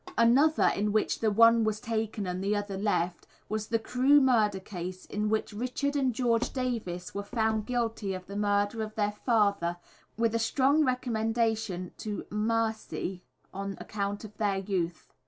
_ Another case in which "the one was taken and the other left" was the Crewe murder case, in which Richard and George Davies were found guilty of the murder of their father, with a strong recommendation to mercy on account of their youth.